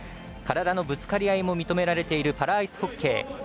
体のぶつかり合いも認められているパラアイスホッケー。